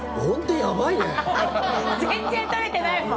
全然取れてないもん！